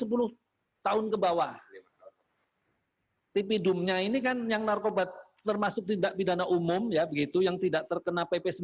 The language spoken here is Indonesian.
itu belum termasuk ke dalam kategori di permen kumham